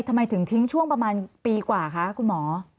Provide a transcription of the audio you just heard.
ทำไมถึงทิ้งช่วงประมาณปีกว่าคะคุณหมอ